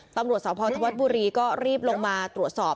ตำรวจสพธวัฒน์บุรีก็รีบลงมาตรวจสอบ